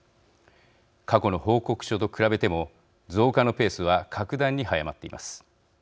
過去の報告書と比べても増加のペースは格段に速まっています。